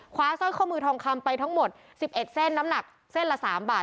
สร้อยข้อมือทองคำไปทั้งหมด๑๑เส้นน้ำหนักเส้นละ๓บาท